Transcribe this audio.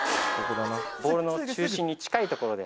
ボールの中心に近い所で。